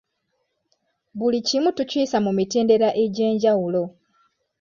Buli kimu tukiyisa mu mitendera egy'enjawulo.